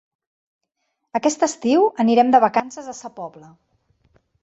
Aquest estiu anirem de vacances a Sa Pobla.